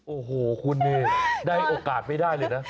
โอ้โหคุณนี่ได้โอกาสไม่ได้เลยนะ